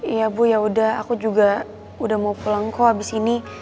iya bu yaudah aku juga udah mau pulang kok habis ini